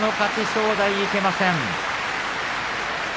正代、いけません。